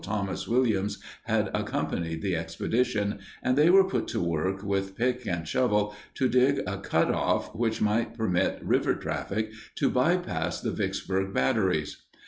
Thomas Williams had accompanied the expedition, and they were put to work with pick and shovel to dig a cut off which might permit river traffic to bypass the Vicksburg batteries.